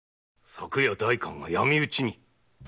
昨夜代官が闇討ちに？